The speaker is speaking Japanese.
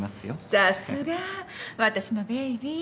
さすが私のベイビー。